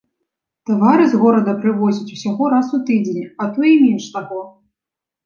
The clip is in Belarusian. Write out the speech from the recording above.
Тавары з горада прывозяць усяго раз у тыдзень, а то й менш таго.